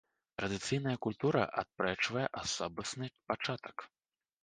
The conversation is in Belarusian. Традыцыйная культура адпрэчвае асобасны пачатак.